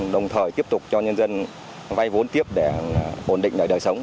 đồng thời tiếp tục cho nhân dân vay vốn tiếp để ổn định đời sống